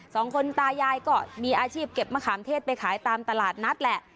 สองคนตายายก็มีอาชีพเก็บมะขามเทศไปขายตามตลาดนัดแหละ